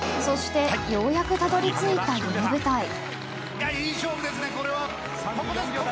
そして、ようやくたどり着いた夢舞台。